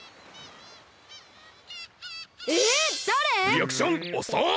リアクションおそっ！